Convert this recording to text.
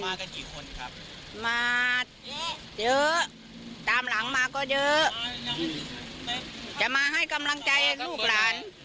กันกี่คนครับมาเยอะเยอะตามหลังมาก็เยอะจะมาให้กำลังใจลูกหลาน